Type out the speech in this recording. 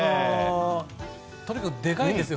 とにかくでかいんですよ